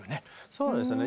そうですね。